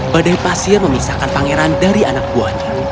badai pasir memisahkan pangeran dari anak buahnya